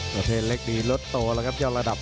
ประเทศเล็กดีรถโตแล้วครับยอดระดับ